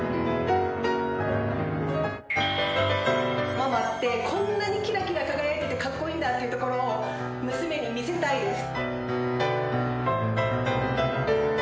ママってこんなにキラキラ輝いててカッコイイんだっていうところを娘に見せたいです。